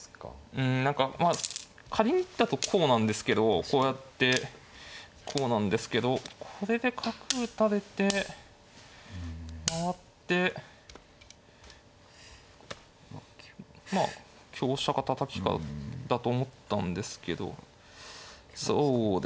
うん何かまあ仮にだとこうなんですけどこうやってこうなんですけどこれで角打たれて回ってまあ香車かたたきかだと思ったんですけどそうですね。